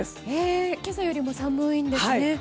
今朝より寒いんですね。